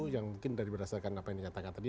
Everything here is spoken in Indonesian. yang mungkin dari berdasarkan apa yang dikatakan tadi